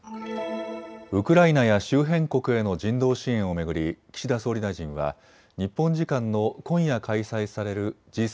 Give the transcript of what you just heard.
ウクライナや周辺国への人道支援を巡り岸田総理大臣は日本時間の今夜開催されるＧ７・